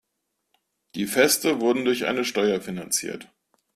Die Feste wurden durch eine Steuer finanziert.